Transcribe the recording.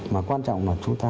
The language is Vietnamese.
mà quan trọng là chúng ta